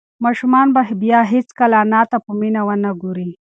ماشوم به بیا هیڅکله انا ته په مینه ونه گوري.